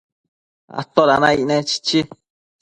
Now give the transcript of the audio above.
¿toda naicne?chichi